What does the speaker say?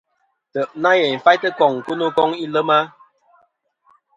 Ntè' nâ yèyn faytɨ koŋ kɨ no koŋ ilema.